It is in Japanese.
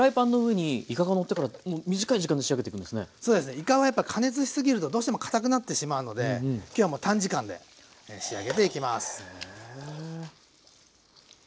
いかはやっぱ加熱しすぎるとどうしてもかたくなってしまうので今日はもう短時間で仕上げていきます。